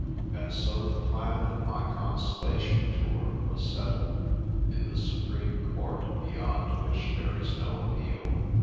And so the plan of my consolation tour was set tled, in the supreme court beyond which there is no appeal.